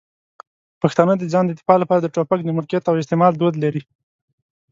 پښتانه د ځان د دفاع لپاره د ټوپک د ملکیت او استعمال دود لري.